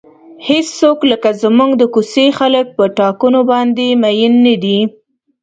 هیڅوک لکه زموږ د کوڅې خلک په ټاکنو باندې مین نه دي.